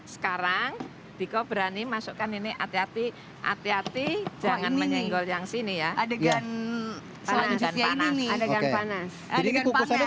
sekarang dikau berani masukkan ini hati hati hati hati jangan menyenggol yang sini ya adegan